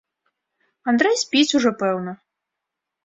Андрэй спіць ужо, пэўна.